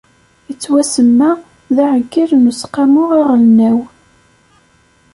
Yettwasemma d aɛeggal n Useqqamu aɣelnaw.